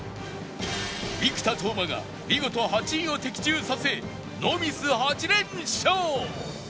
生田斗真が見事８位を的中させノーミス８連勝！